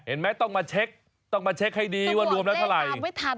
เห็นไหมต้องมาเช็คต้องมาเช็คให้ดีว่ารวมแล้วเท่าไหร่